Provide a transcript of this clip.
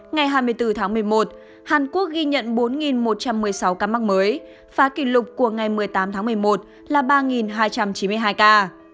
ngày hai mươi bốn tháng một mươi một hàn quốc ghi nhận bốn một trăm một mươi sáu ca mắc mới phá kỷ lục của ngày một mươi tám tháng một mươi một là ba hai trăm chín mươi hai ca